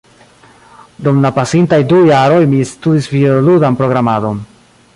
dum la pasintaj du jaroj mi studis videoludan programadon